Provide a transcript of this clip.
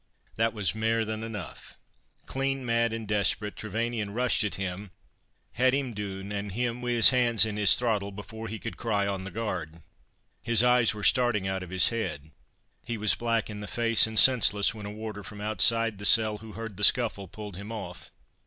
"That was mair than enough. Clean mad and desperate, Trevanion rushed at him, had him doon, and him wi' his hands in his throttle, before he could cry on the guard. His eyes were starting out of his head—he was black in the face and senseless, when a warder from outside the cell who heard the scuffle, pulled him off.